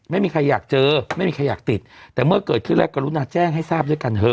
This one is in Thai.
ไม่มีใครอยากเจอไม่มีใครอยากติดแต่เมื่อเกิดขึ้นแรกกรุณาแจ้งให้ทราบด้วยกันเถอ